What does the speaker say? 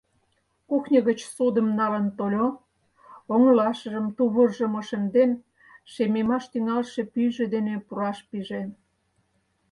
Кухньо гыч содым налын тольо, оҥылашыжым, тувыржым ошемден, шемемаш тӱҥалше пӱйжӧ дене пураш пиже.